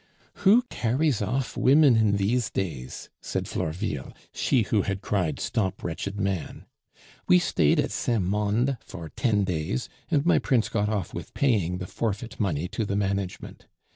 "Who carries off women in these days" said Florville (she who had cried, "Stop, wretched man!"). "We stayed at Saint Mande for ten days, and my prince got off with paying the forfeit money to the management.